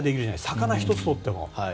魚ひとつとっても。